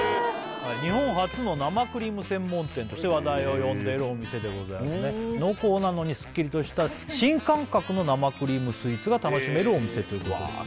日本初の生クリーム専門店として話題を呼んでいるお店でございますね濃厚なのにスッキリとした新感覚の生クリームスイーツが楽しめるお店ということです